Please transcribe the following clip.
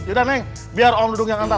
yaudah neng biar om dudung yang nantar